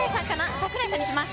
櫻井さんにします。